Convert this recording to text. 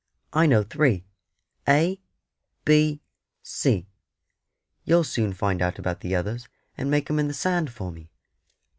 I know three A B C: you'll soon find out about the others, and make 'em in the sand for me."